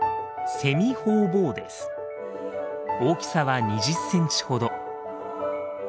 大きさは２０センチほど。